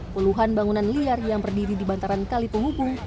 puluhan bangunan liar yang berdiri di bantaran kali penghubung